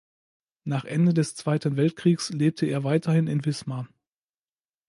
Nach Ende des Zweiten Weltkriegs lebte er weiterhin in Wismar.